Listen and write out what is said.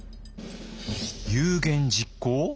有言実行？